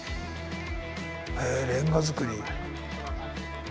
へえレンガ作り。